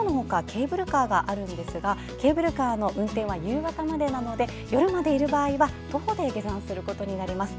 ケーブルカーがありますがケーブルカーの運転は夕方までなので夜までいる場合は徒歩で下山することになります。